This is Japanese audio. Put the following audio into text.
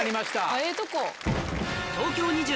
ええとこ。